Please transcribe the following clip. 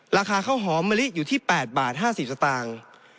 ราคาข้าวหอมมะลิอยู่ที่๘บาท๕๐สตางค์